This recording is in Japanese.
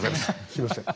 すいません。